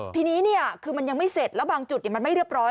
ทีนี้คือมันยังไม่เสร็จแล้วบางจุดมันไม่เรียบร้อย